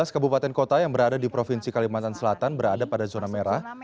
tujuh belas kabupaten kota yang berada di provinsi kalimantan selatan berada pada zona merah